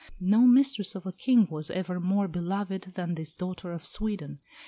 No mistress of a King was ever more beloved than this daughter of Sweden.